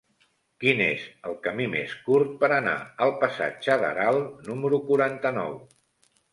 Quin és el camí més curt per anar al passatge d'Aral número quaranta-nou?